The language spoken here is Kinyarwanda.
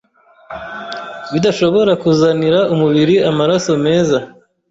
bidashobora kuzanira umubiri amaraso meza.